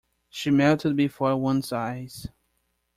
She melted before one's eyes.